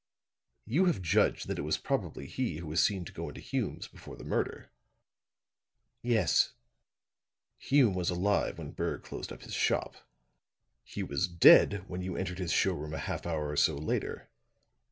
"You have judged that it was probably he who was seen to go into Hume's before the murder?" "Yes." "Hume was alive when Berg closed up his shop; he was dead when you entered his showroom a half hour or so later.